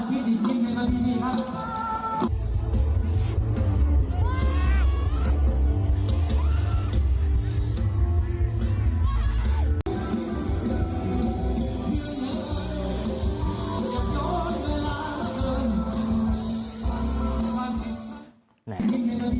สวัสดิ